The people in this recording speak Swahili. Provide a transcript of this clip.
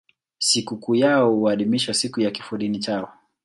Sikukuu yao huadhimishwa siku ya kifodini chao.